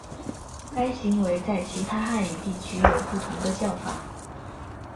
该行为在其他汉语地区有不同的叫法。